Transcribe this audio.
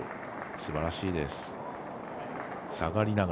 すばらしいです。